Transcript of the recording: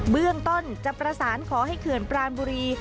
เบื้องต้นจะประสานขอให้เขื่อนปรานบุรี